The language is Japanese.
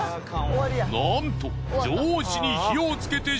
なんと。